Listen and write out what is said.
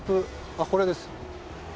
あっこれです。